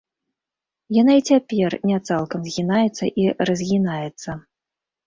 Яна і цяпер не цалкам згінаецца і разгінаецца.